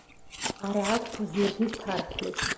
არ აქვთ ზურგის ფარფლი.